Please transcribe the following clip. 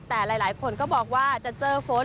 แต่หลายคนก็บอกว่าจะเจอฝน